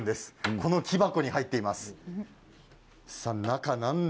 この木箱に入っています。